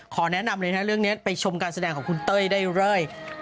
แนะนำเลยนะเรื่องนี้ไปชมการแสดงของคุณเต้ยได้เลย